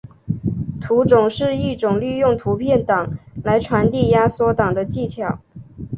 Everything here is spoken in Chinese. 图种是一种利用图片档来传递压缩档的技巧。